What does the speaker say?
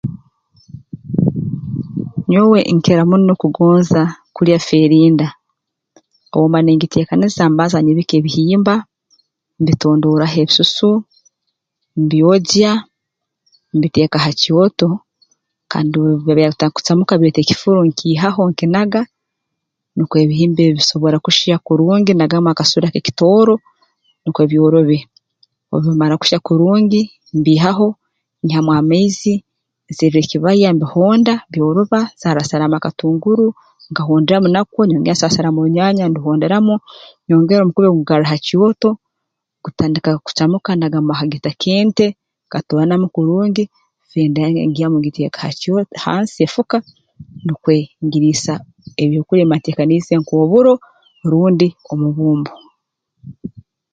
Nyowe nkira muno kugonza kulya fiirinda obu mba ningiteekaniza mbanza nyibika ebihimba mbitondooraho ebisusu mbyogya mbiteeka ha kyoto kandi obu biba byatandika kucamuka bireeta ekifuro nkiihaho nkinaga nukwo ebihimba ebi bisobora kuhya kurungi nagamu akasura k'ekitooro nukwo byorobe obu bimara kuhya kurungi mbiihaho nyihamu amaizi nserra ekibaya mbihonda byoroba nsarrasarraamu akatunguru nkahonderamu nako nyongera nsarraamu orunyanya nduhonderamu nyongera omukubi ngugarra ha kyoto gutandika kucamuka nagamu akagita k'ente katooranamu kurungi fiirinda yange ngiihaamu ngiteeka ha kyo hansi efuka nukwo ngiriisa ebyokulya ebimba nteekaniize nk'oburo rundi omubumbo